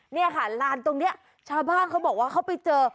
เนี่ยค่ะลานตรงนี้ชาวบ้านเขาบอกว่าเขาไปเจอ